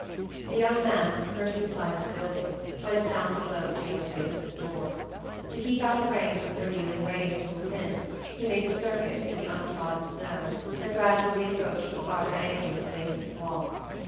The young man, skirting the side of the building, went down the slope toward the basement door. To keep out of range of the revealing rays from within he made a circuit through the untrodden snow and gradually approached the farther angle of the basement wall.